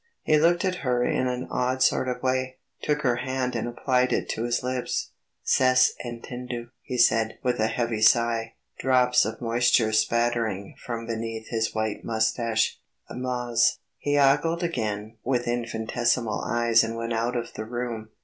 He looked at her in an odd sort of way, took her hand and applied it to his lips. "C'est entendu," he said with a heavy sigh, drops of moisture spattering from beneath his white moustache, "mais ..." He ogled again with infinitesimal eyes and went out of the room.